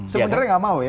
sebenarnya gak mau ya